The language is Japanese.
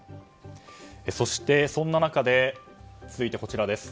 そして、そんな中で続いて、こちらです。